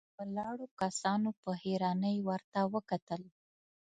ولاړو کسانو په حيرانۍ ورته وکتل.